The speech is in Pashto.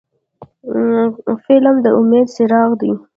فلم د امید څراغ دی